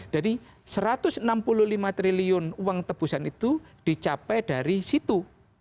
jadi satu ratus enam puluh lima triliun uang tebusan itu dicapai dari situ